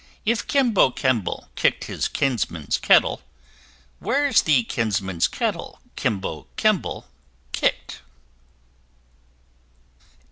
If Kimbo Kemble kick'd his Kinsman's Kettle, Where's the Kinsman's Kettle Kimbo Kemble kick'd?